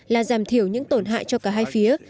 là giảm thiểu những tổn hại cho cả hai phía